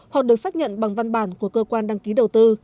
hoặc được xác nhận bằng văn bản của cơ quan đăng ký đầu tư